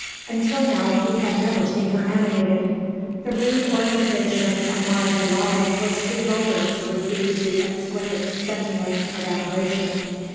Until now he had never seen her animated. The rude organization of Marisalada was too vulgar to receive the exquisite sentiment of admiration.